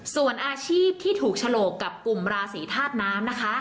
ส่วนอาชีพที่ถูกฉลกกับกลุ่มราศีธาตุน้ำนะคะ